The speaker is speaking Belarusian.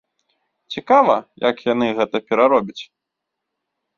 Цікава, як яны гэта пераробяць.